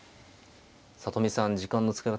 里見さん時間の使い方